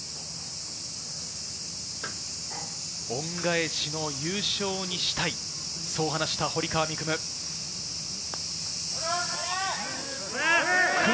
恩返しの優勝にしたい、そう話した堀川未来